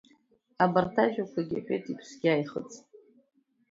Абарҭ ажәақәагьы иҳәеит, иԥсгьы ааихыҵит.